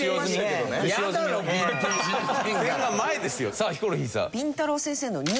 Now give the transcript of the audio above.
さあヒコロヒーさん。